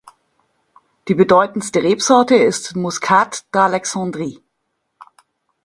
Die bedeutendste Rebsorte ist Muscat d’Alexandrie.